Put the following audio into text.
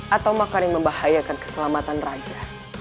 atau makan yang membahayakan keselamatan raja